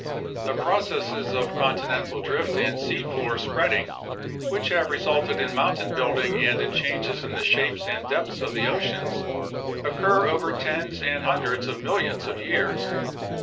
The processes of continental drift and sea floor spreading, which have resulted in mountain building and in changes in the shapes and depths of the oceans, occur over tens and hundreds of millions of years.